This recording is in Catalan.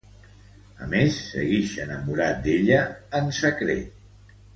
A més, seguix enamorat d'ella en secret.